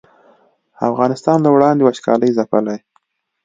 افغانستان له وړاندې وچکالۍ ځپلی